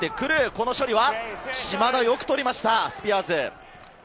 この処理は島田、よく取りましたスピアーズ。